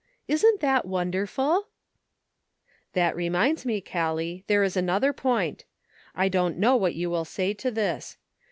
Isn't that wonderful ?"" That reminds me, Callie, there is another point. I don't know what you will say to this.